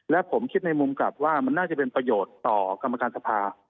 และผมคิดในมุมกลับว่ามันน่าจะเป็นประโยชน์ต่อกรรมการสภา